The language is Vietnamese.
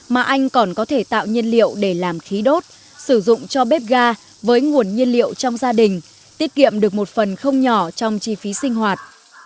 mà anh còn có thể tạo nhiên liệu để làm khí đốt sử dụng cho bếp ga với nguồn nhiên liệu trong gia đình tiết kiệm được một phần không nhỏ trong chi phí sinh hoạt